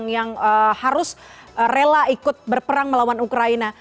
yang harus rela ikut berperang melawan ukraina